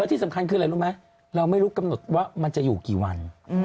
ที่สำคัญคืออะไรรู้ไหมเราไม่รู้กำหนดว่ามันจะอยู่กี่วัน